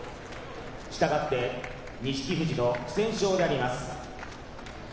したがって錦富士の不戦勝であります。